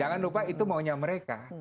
jangan lupa itu maunya mereka